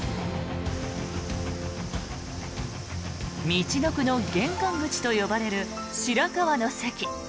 みちのくの玄関口と呼ばれる白河の関。